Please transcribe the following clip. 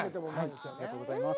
ありがとうございます。